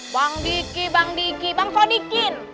bang diki bang diki bang konikin